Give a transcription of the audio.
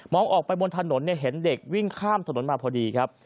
ออกไปบนถนนเนี่ยเห็นเด็กวิ่งข้ามถนนมาพอดีครับ